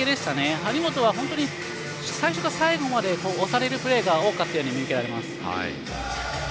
張本は最初から最後まで押されるプレーが多かったように見受けられます。